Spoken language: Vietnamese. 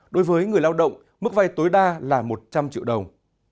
đối với người lao động mức vay tối đa là một trăm linh triệu đồng